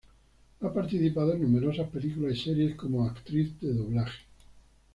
Ha participado en numerosas películas y series como actriz de Doblaje.